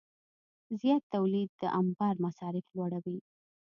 زیات تولید د انبار مصارف لوړوي.